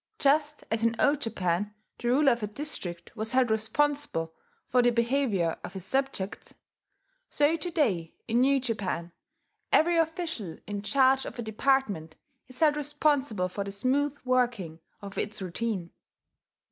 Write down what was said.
Just as in Old Japan the ruler of a district was held, responsible for the behaviour of his subjects, so to day, in New Japan, every official in charge of a department is held responsible for the smooth working of its routine.